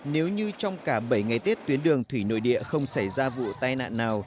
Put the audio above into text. nếu như trong cả bảy ngày tết tuyến đường thủy nội địa không xảy ra vụ tai nạn nào